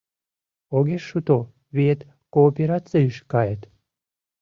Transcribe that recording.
Огеш шуто виет Кооперацийыш кает;